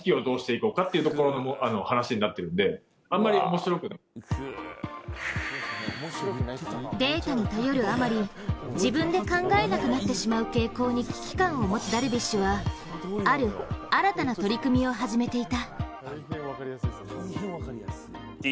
それは４年前、イチローさんの引退会見でのことデータに頼るあまり、自分で考えなくなってしまう傾向に危機感を持つダルビッシュはある新たな取り組みを始めていた。